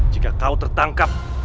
jika kau tertangkap